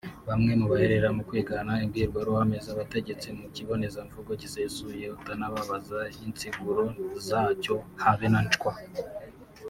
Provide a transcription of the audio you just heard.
Bamwe baherera mu kwigana imbwirwaruhame z’abategetsi mu kibonezamvugo gisesuye utanababaza insiguro zacyo habe na cwa